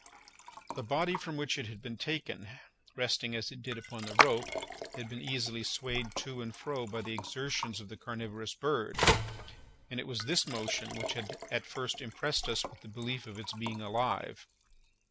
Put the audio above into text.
The body from which it had been taken, resting as it did upon the rope, had been easily swayed to and fro by the exertions of the carnivorous bird, and it was this motion which had at first impressed us with the belief of its being alive.